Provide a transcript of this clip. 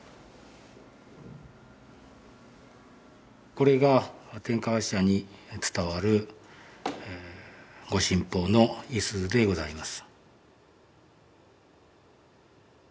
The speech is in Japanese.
これが天河神社に伝わる御神宝の五十鈴でございます。